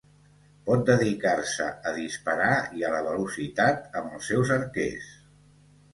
Pot dedicar-se a disparar i a la velocitat amb els seus arquers.